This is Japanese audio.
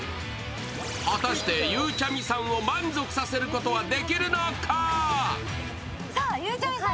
果たして、ゆうちゃみさんを満足させることはできるのか？